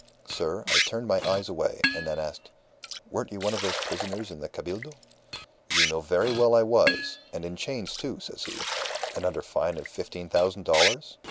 Sir, I turned my eyes away, and then asked, 'Weren't you one of the prisoners in the Cabildo?' 'You know very well I was, and in chains, too,' says he. 'And under a fine of fifteen thousand dollars?